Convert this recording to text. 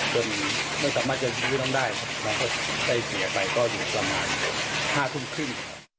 ไม่สามารถจะยื้อน้องได้ครับแล้วก็ได้เสียไปก็อยู่ประมาณ๕ทุ่มครึ่ง